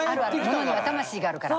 物には魂があるから。